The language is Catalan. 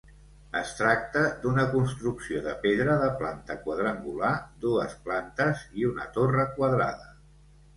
Es tracta d'una construcció de pedra, de planta quadrangular, dues plantes i una torre quadrada.